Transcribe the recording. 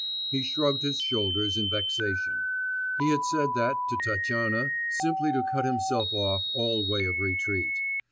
He shrugged his shoulders in vexation: he had said that to Tatyana simply to cut himself off all way of retreat.